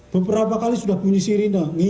beberapa kali sudah bunyi sirine